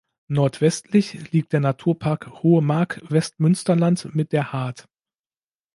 Nordwestlich liegt der Naturpark Hohe Mark-Westmünsterland mit der Haard.